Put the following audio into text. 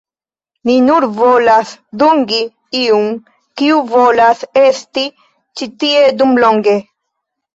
Ni nur volas dungi iun, kiu volas esti ĉi tie dum longe.